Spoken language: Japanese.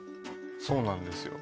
そうなんですよ